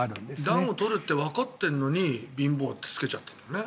暖を取るってわかってるのに貧乏ってつけちゃったんだね。